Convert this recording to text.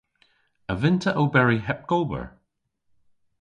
A vynn'ta oberi heb gober?